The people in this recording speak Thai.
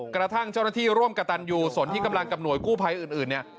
กระทั่งเจ้าหน้าที่ร่วมกับตันยูส่วนที่กำลังกับหน่วยกู้ภัยอื่นเนี่ย